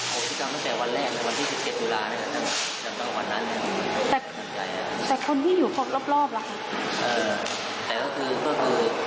ผมที่จำตั้งแต่วันแรกวันที่๑๗ธุระนะครับ